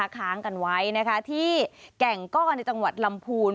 ค้างกันไว้ที่แก่งก้อนในจังหวัดลำพูน